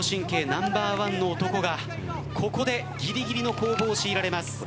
ナンバーワンの男がここで、ぎりぎりの攻防をしいられます。